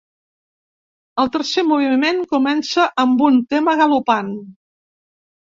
El tercer moviment comença amb un tema galopant.